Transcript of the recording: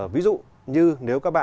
ví dụ như nếu các bạn